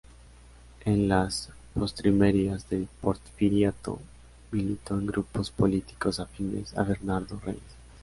En las postrimerías del porfiriato militó en grupos políticos afines a Bernardo Reyes.